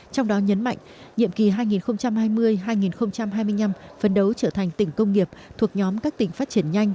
trong đó nhấn mạnh nhiệm kỳ hai nghìn hai mươi hai nghìn hai mươi năm phấn đấu trở thành tỉnh công nghiệp thuộc nhóm các tỉnh phát triển nhanh